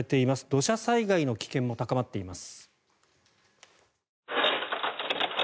土砂災害の危険も高まっています。